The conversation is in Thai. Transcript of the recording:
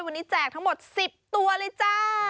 วันนี้แจกทั้งหมด๑๐ตัวเลยจ้า